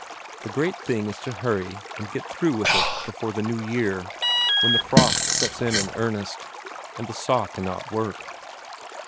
The great thing is to hurry and get through with it before the new year, when the frost sets in in earnest, and the saw cannot work.